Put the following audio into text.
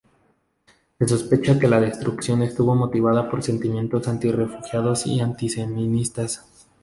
Se sospecha que la destrucción estuvo motivada por sentimientos anti-refugiados o antisemitas.